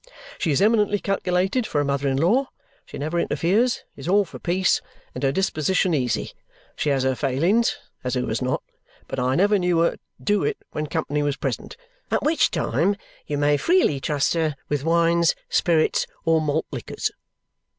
She is eminently calculated for a mother in law. She never interferes, is all for peace, and her disposition easy. She has her failings as who has not? but I never knew her do it when company was present, at which time you may freely trust her with wines, spirits, or malt liquors.